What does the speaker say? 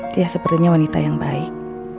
dia sepertinya wanita yang baik